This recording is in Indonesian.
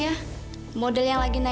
tak ada yang mau lupa